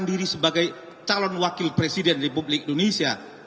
mendorong anaknya untuk mencalonkan diri sebagai calon wakil presiden republik indonesia